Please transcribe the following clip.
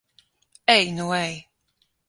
Ej nu ej!